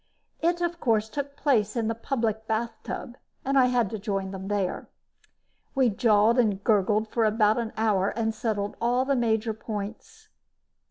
It, of course, took place in the public bathtub and I had to join them there. We jawed and gurgled for about an hour and settled all the major points.